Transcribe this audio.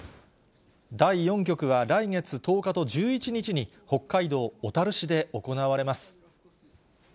第４局は来月１０日と１１日に、北海道小樽市で行われます。